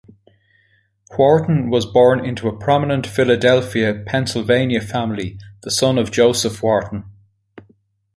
Wharton was born into a prominent Philadelphia, Pennsylvania family, the son of Joseph Wharton.